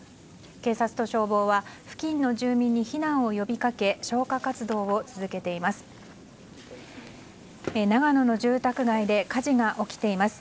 警察と消防は付近の住民に避難を呼びかけ消火活動を続けています。